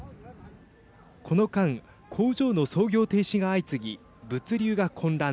この間、工場の操業停止が相次ぎ物流が混乱。